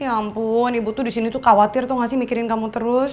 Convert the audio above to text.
ya ampun ibu tuh di sini tuh khawatir tau gak sih mikirin kamu terus